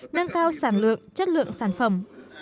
nâng cao sản lượng chất lượng sản phẩm